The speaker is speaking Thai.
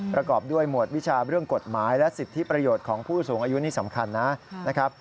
ประกอบด้วยหมวดวิชาเรื่องกฎหมายและสิทธิประโยชน์ของผู้สูงอายุนี่สำคัญนะครับ